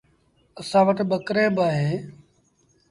اسآݩ وٽ ٻڪريݩ با اوهيݩ۔